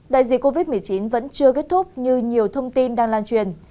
đại dịch covid một mươi chín vẫn chưa kết thúc như nhiều thông tin đang lan truyền